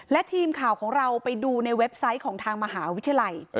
และทีมข่าวของเราไปดูในเว็บไซต์ของทางมหาวิทยาลัย